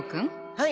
はい。